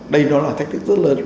đây đó là thách thức rất lớn